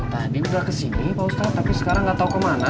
tadi udah kesini pak ustadz tapi sekarang gak tau kemana